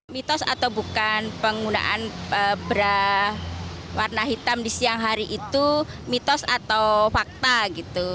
mitos atau bukan penggunaan berwarna hitam di siang hari itu mitos atau fakta gitu